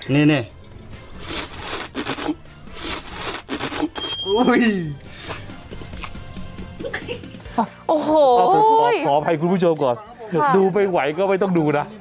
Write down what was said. นี่โอ้โหผมขออภัยคุณผู้ชมก่อนดูไม่ไหวก็ไม่ต้องดูนะ